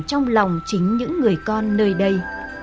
trong lòng chính những người con nơi đây